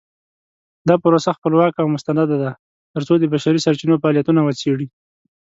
دا پروسه خپلواکه او مستنده ده ترڅو د بشري سرچینو فعالیتونه وڅیړي.